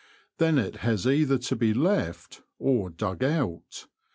Then it has either to be left or dug out.